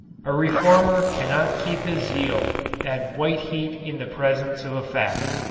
A reformer cannot keep his zeal at white heat in the presence of a fact.